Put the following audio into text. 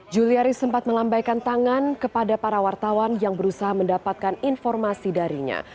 juliari sempat melambaikan tangan kepada para wartawan yang berusaha mendapatkan informasi darinya